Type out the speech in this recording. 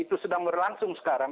itu sedang berlangsung sekarang